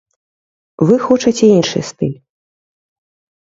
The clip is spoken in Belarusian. Вы хочаце іншы стыль.